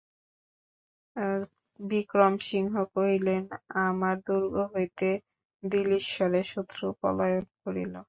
বিক্রমসিংহ কহিলেন, আমার দুর্গ হইতে দিল্লীশ্বরের শত্রু পলায়ন করিল!